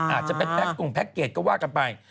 อาจจะไปแพ็กเกจก็ว่ากันไป